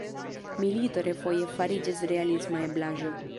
Milito refoje fariĝas realisma eblaĵo.